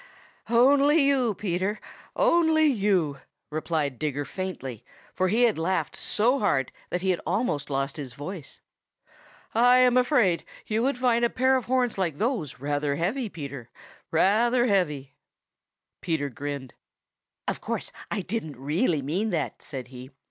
"Only you, Peter. Only you," replied Digger faintly, for he had laughed so hard that he had almost lost his voice. "I am afraid you would find a pair of horns like those rather heavy, Peter, rather heavy." Peter grinned. "Of course I didn't really mean that," said he.